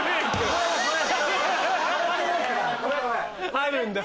あるんだ！